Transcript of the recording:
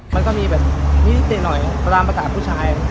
มันก็มีแบบนิดเดียวหน่อยประมาณประสาทผู้ชาย